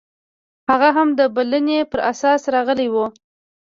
هغه هم د بلنې پر اساس راغلی و.